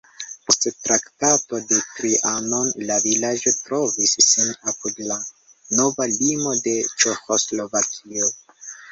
Post Traktato de Trianon la vilaĝo trovis sin apud nova limo de Ĉeĥoslovakio.